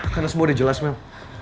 karena semua udah jelas mel